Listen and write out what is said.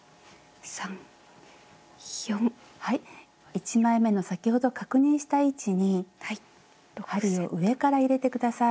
１枚めの先ほど確認した位置に針を上から入れて下さい。